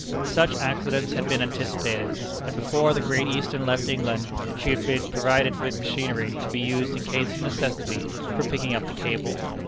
Such accidents had been anticipated, and before the Great Eastern left England, she had been provided with machinery to be used in case of necessity for picking up the cable.